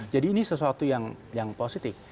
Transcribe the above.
jadi ini sesuatu yang positif